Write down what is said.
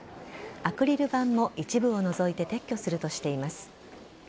アクリル板も一部を除いて撤去するとしています。